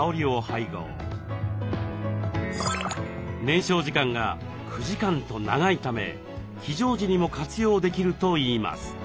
燃焼時間が９時間と長いため非常時にも活用できるといいます。